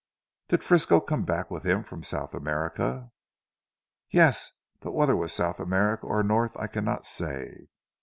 "Did Frisco come back with him from South America?" "Yes! But whether it was South America or North I cannot say.